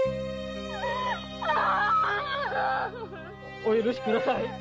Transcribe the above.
お許しください！